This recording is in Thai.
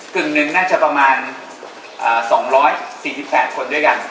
กึ่งหนึ่งน่าจะประมาณ๒๔๘คนด้วยกัน